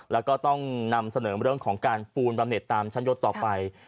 แล้วก็ต้องนำเสนอเรื่องของการปูนบำเน็ตตามชั้นยศต่อไป